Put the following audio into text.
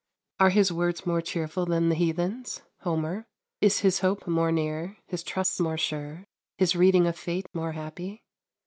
Are his words more cheerful than the heathen's (Homer)? is his hope more near, his trust more sure, his reading of fate more happy?